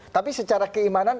tapi secara keimanan